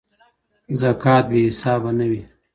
زکات بې حسابه نه وي.